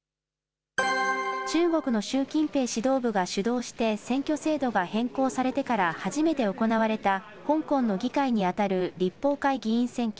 中国の習近平指導部が主導して、選挙制度が変更されてから初めて行われた香港の議会に当たる立法会議員選挙。